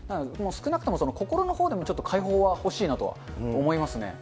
少なくとも心のほうでもちょっと解放は欲しいなとは思いますね。